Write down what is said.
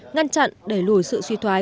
ngăn chặn đẩy lùi sự suy thoái